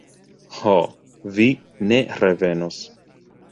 Ho, vi ne revenos...